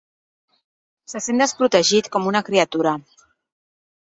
Se sent desprotegit com una criatura.